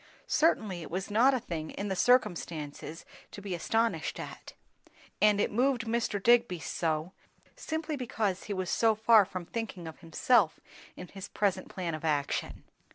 Certainly it was not a thing in the circumstances to be astonished at; and it moved Mr. Digby so, simply because he was so far from thinking of himself in his present plan of action.